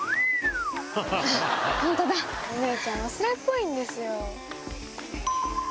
お姉ちゃん忘れっぽいんですよ。